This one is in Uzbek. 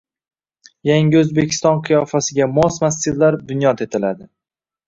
Yangi O‘zbekiston qiyofasiga mos massivlar bunyod etilading